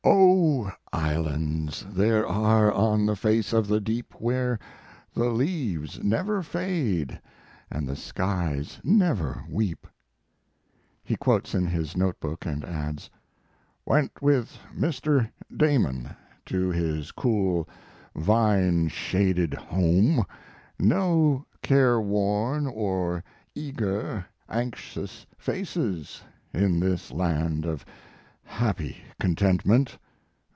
Oh, islands there are on the face of the deep Where the leaves never fade and the skies never weep, he quotes in his note book, and adds: Went with Mr. Damon to his cool, vine shaded home; no careworn or eager, anxious faces in this land of happy contentment.